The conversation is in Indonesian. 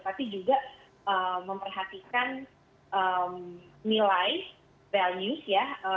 tapi juga memperhatikan nilai values ya